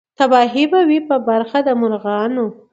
تباهي به وي په برخه د مرغانو